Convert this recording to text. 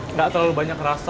nggak terlalu banyak rahasia